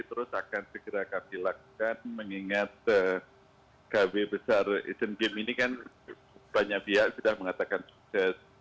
terus akan segera kami lakukan mengingat kb besar asian games ini kan banyak pihak sudah mengatakan sukses